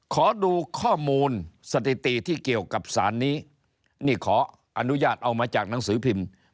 ขอดูข้อมูลสถิติที่เกี่ยวกับสารนี้นี่ขออนุญาตเอามาจากหนังสือพิมพ์